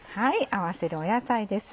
合わせる野菜です。